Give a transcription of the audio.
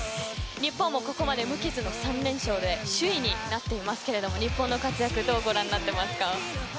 日本もここまで無傷の３連勝で首位になっていますけれども日本の活躍どうご覧になっていますか？